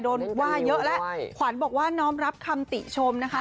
โดนว่าเยอะแล้วขวัญบอกว่าน้อมรับคำติชมนะคะ